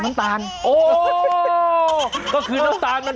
น้ำผึ้งแท้๑๐๐เลย